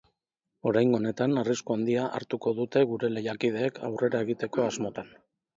Oraingo honetan, arrisku handia hartuko dute gure lehiakideek aurrera egiteko asmotan.